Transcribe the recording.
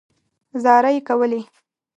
زارۍ کولې.